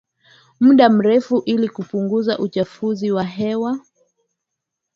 muda mrefu ili kupunguza uchafuzi wa hewa